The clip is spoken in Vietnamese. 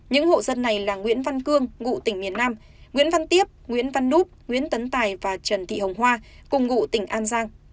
những hộ dân này là nguyễn văn cương ngụ tỉnh miền nam nguyễn văn tiếp nguyễn văn núp nguyễn tấn tài và trần thị hồng hoa cùng ngụ tỉnh an giang